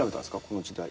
この時代。